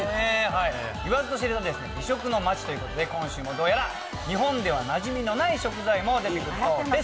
言わずと知れた美食の街ということで、今週もどうやら日本ではなじみのない食材も出てくるそうです。